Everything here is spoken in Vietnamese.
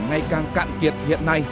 ngày càng cạn kiệt hiện nay